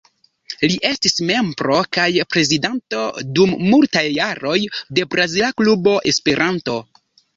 Li estis membro kaj prezidanto, dum multaj jaroj, de Brazila Klubo Esperanto.